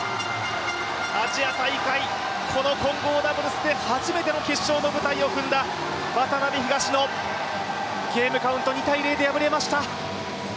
アジア大会、この混合ダブルスで初めての決勝の舞台を踏んだ渡辺・東野、ゲームカウント２−０で敗れました。